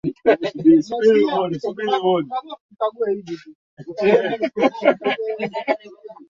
inadaiwa kuwa Wabantu walitoka sehemu za Kongo walisambaa na kuja pwani ya Afrika mashariki